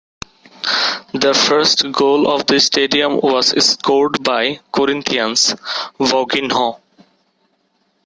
The first goal of the stadium was scored by Corinthians' Vaguinho.